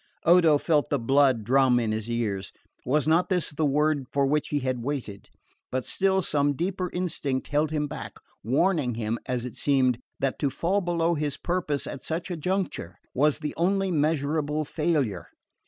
Odo felt the blood drum in his ears. Was not this the word for which he had waited? But still some deeper instinct held him back, warning him, as it seemed, that to fall below his purpose at such a juncture was the only measurable failure.